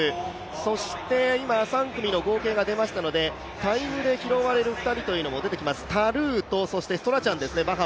そして今３組の合計が出ましたのでタイムで拾われる２人の選手も出てきます、タルーとストラチャン選手です。